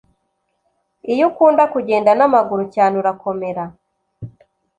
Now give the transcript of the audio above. Iyi ukunda kugenda namaguru cyane urakomera